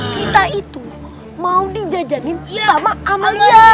kita itu mau dijajanin sama amalia